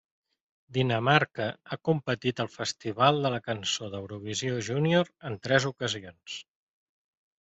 Dinamarca ha competit al Festival de la Cançó d'Eurovisió Júnior en tres ocasions.